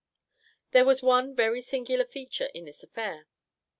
There was one very singular feature in this affair.